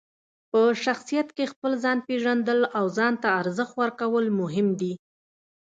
په شخصیت کې خپل ځان پېژندل او ځان ته ارزښت ورکول مهم دي.